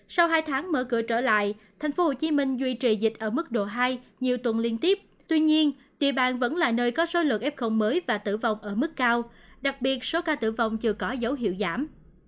sau hai tháng mở cửa trở lại thành phố hồ chí minh duy trì dịch ở mức độ hai nhiều tuần liên tiếp tuy nhiên địa bàn vẫn là nơi có số lượng ép không mới và tử vong ở mức cao đặc biệt số ca tử vong chưa có dấu hiệu giảm